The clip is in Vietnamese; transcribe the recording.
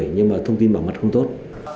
nhưng mà thông tin bảo mật không tốt